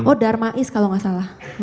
oh darmais kalau nggak salah